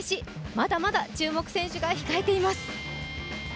まだまだ注目選手が控えています。